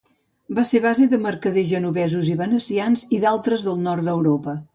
Va ser base de mercaders genovesos i venecians i d'altres del nord d'Europa.